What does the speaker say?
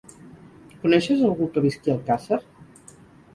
Coneixes algú que visqui a Alcàsser?